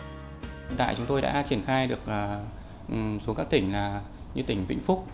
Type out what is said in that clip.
hiện tại chúng tôi đã triển khai được số các tỉnh như tỉnh vĩnh phúc